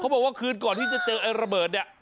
บอกว่าคืนก่อนที่จะเจอไอ้ระเบิดเนี่ย